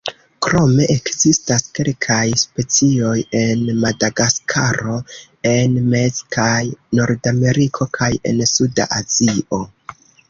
Krome ekzistas kelkaj specioj en Madagaskaro, en Mez- kaj Nordameriko kaj en suda Azio.